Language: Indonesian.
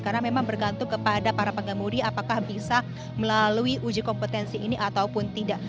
karena memang bergantung kepada para pengemudi apakah bisa melalui uji kompetensi ini ataupun tidak